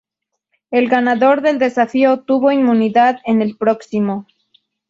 El ganador del desafío tuvo inmunidad en el próximo.